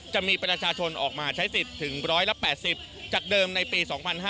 จะมีประชาชนออกมาใช้สิทธิ์ถึง๑๘๐จากเดิมในปี๒๕๕๙